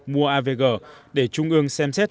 mua avg để trung ương xem xét